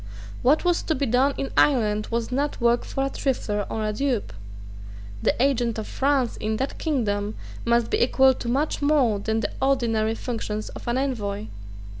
What was to be done in Ireland was not work for a trifler or a dupe. The agent of France in that kingdom must be equal to much more than the ordinary functions of an envoy.